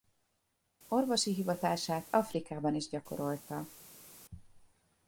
Orvosi hivatását Afrikában is gyakorolta.